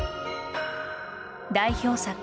代表作